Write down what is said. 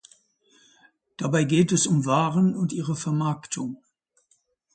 Dabei geht es um Waren und ihre Vermarktung.